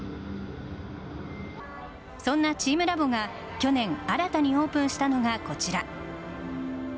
そんなチームラボが去年、新たにオープンしたのがこちら。